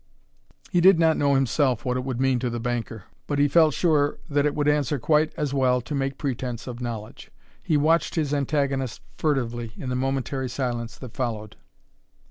He did not know himself what it would mean to the banker, but he felt sure that it would answer quite as well to make pretence of knowledge. He watched his antagonist furtively in the momentary silence that followed.